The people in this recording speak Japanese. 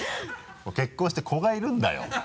もう結婚して子がいるんだよ。